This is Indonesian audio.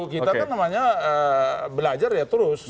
kita kan namanya belajar ya terus